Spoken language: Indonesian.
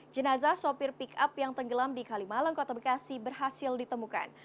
jenazah sopir pick up yang tenggelam di kalimalang kota bekasi berhasil ditemukan